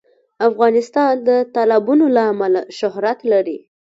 افغانستان د تالابونه له امله شهرت لري.